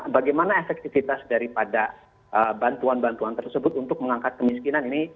bagaimana efektivitas daripada bantuan bantuan tersebut untuk mengangkat kemiskinan ini